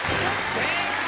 正解！